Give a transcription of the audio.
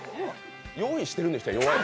用意してるにしては弱い。